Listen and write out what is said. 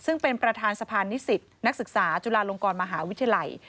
ซึ่งเป็นประธานสะพานนิสิตนักศึกษาจุฬาลงกรมหาวิทยาลัย